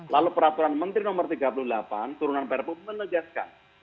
lalu peraturan menteri no tiga puluh delapan turunan perpu menegaskan